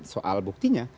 bukan soal buktinya